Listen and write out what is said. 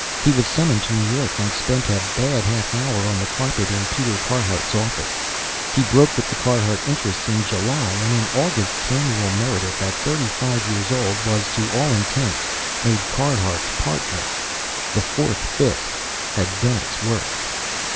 He was summoned to New York and spent a bad half hour on the carpet in Peter Carhart's office. He broke with the Carhart interests in July, and in August Samuel Meredith, at thirty five years old, was, to all intents, made Carhart's partner. The fourth fist had done its work.